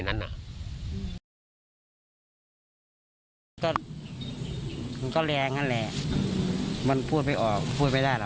มันก็แรงเลยมันพูดไปออกพูดไม่ได้